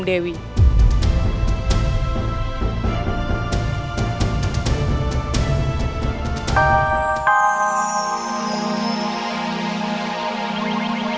pak ferry macam dewi